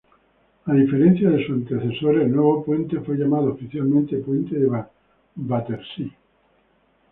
A diferencia de su antecesor, el nuevo puente fue llamado oficialmente Puente de Battersea.